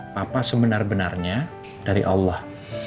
papa sebenar benarnya dari allah